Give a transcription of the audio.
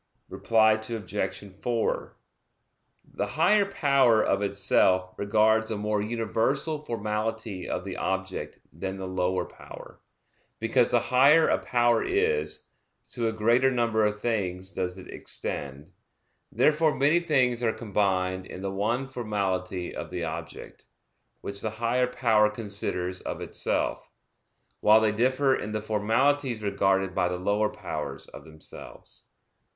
Reply Obj. 4: The higher power of itself regards a more universal formality of the object than the lower power; because the higher a power is, to a greater number of things does it extend. Therefore many things are combined in the one formality of the object, which the higher power considers of itself; while they differ in the formalities regarded by the lower powers of themselves.